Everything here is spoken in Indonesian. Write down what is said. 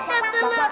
teganya tega banget